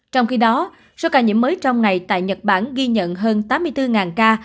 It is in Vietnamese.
trong khi đó số ca nhiễm mới trong ngày tại nhật bản ghi nhận hơn tám mươi bốn ca